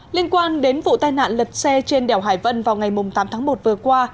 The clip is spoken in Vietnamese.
liên quan đến vụ tai nạn lật xe trên đèo hải vân vào ngày tám tháng một vừa qua